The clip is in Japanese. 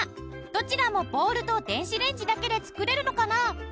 どちらもボウルと電子レンジだけで作れるのかな？